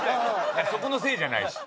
そこのせいじゃないし。